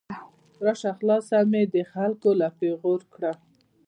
راشه خلاصه مې د خلګو له پیغور کړه